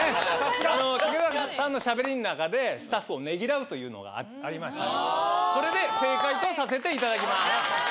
武田さんのしゃべりの中でスタッフをねぎらうというのがありましたので正解とさせていただきます。